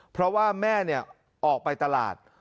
เพราะว่าแม่ออกไปตลาด